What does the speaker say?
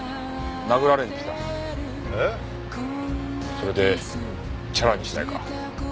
それでチャラにしないか？